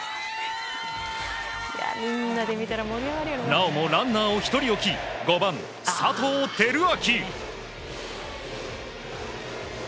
なおもランナーを１人置き５番、佐藤輝明。